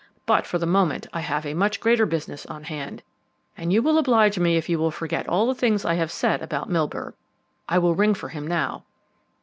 But for the moment I have a much greater business on hand, and you will oblige me if you forget all the things I have said about Milburgh. I will ring for him now."